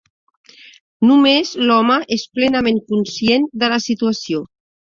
Només l'home és plenament conscient de la situació.